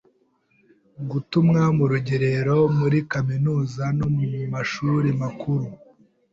Gutumwa ku rugerero muri Kaminuza, no mu MashuriMakuru.